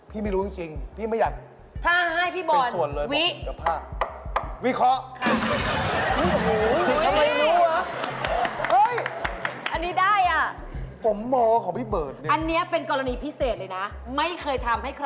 พี่ไม่รู้จริงพี่ไม่อยาก